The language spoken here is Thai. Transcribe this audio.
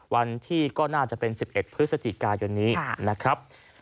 วันที่ก็น่าจะเป็น๑๑พฤศจิกายนนี้นะครับ